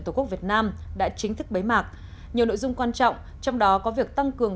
tổ quốc việt nam đã chính thức bế mạc nhiều nội dung quan trọng trong đó có việc tăng cường